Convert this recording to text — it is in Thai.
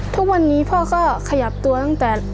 ทุกวันนี้พ่อก็ขยับตัวตั้งแต่